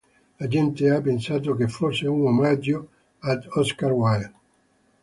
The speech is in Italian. La gente ha pensato che fosse un omaggio ad Oscar Wilde.